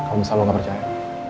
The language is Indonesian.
kalau misalnya lo gak percaya